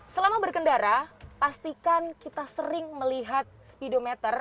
selama berkendara pastikan kita sering melihat speedometer